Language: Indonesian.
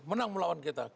menang melawan kita